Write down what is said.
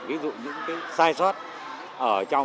ví dụ như sai sót